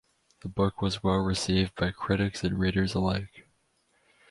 The book was well received by critics and readers alike.